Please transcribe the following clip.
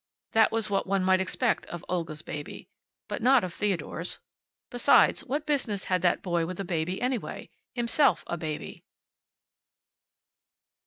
That was what one might expect of Olga's baby. But not of Theodore's. Besides, what business had that boy with a baby, anyway? Himself a baby.